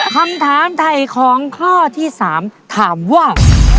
คำถามไถ่ของข้อที่๓ถามว่า